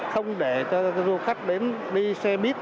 không để cho du khách đi xe mít